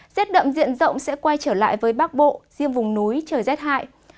rét đậm diện rộng sẽ quay trở lại với bắc bộ riêng vùng núi trời rét hại